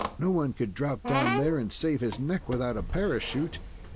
No one could drop down there, and save his neck without a parachute.